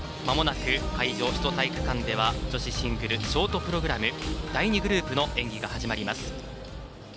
まもなく会場、首都体育館では女子シングルショートプログラム第２グループの演技が始まります。